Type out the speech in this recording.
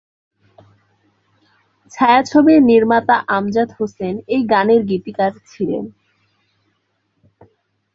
ছায়াছবির নির্মাতা আমজাদ হোসেন এই গানের গীতিকার ছিলেন।